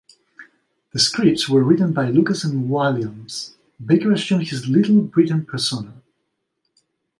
The scripts were written by Lucas and Walliams; Baker assumed his "Little Britain" persona.